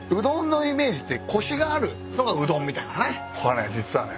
ここはね実はね。